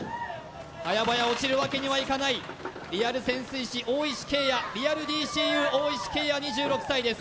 早々落ちるわけにはいかないリアル潜水士大石惠也リアルＤＣＵ大石惠也２６歳です